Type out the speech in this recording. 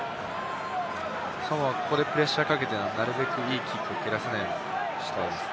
サモアは、ここでプレッシャーをかけて、なるべくいいキックを減らさないようにしたいです。